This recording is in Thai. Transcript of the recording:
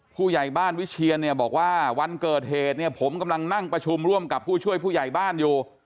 ผู้ใหญ่บ้านวิเชียนเนี่ยบอกว่าวันเกิดเหตุเนี่ยผมกำลังนั่งประชุมร่วมกับผู้ช่วยผู้ใหญ่บ้านอยู่